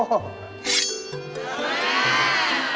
โอ้โห